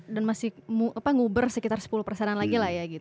masih nguber sekitar sepuluh persenan lagi lah ya gitu